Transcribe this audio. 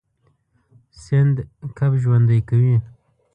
سیند کب ژوندی کوي.